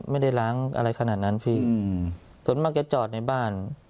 ไม่ได้ล้างอะไรขนาดนั้นพี่ส่วนมากจะจอดในบ้าน